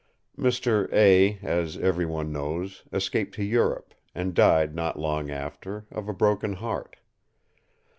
Mr. A——, as every one knows, escaped to Europe, and died not long after, of a broken heart.